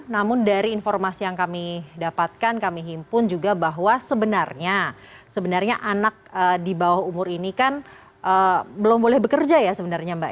namun dari informasi yang kami dapatkan kami himpun juga bahwa sebenarnya anak di bawah umur ini kan belum boleh bekerja ya sebenarnya mbak